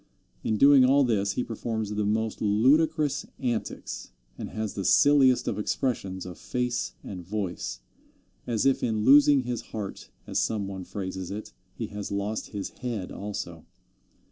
In doing all this he performs the most ludicrous antics, and has the silliest of expressions of face and voice, as if in losing his heart, as some one phrases it, he has lost his head also.